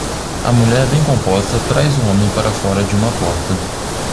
A mulher bem composta traz o homem para fora de uma porta.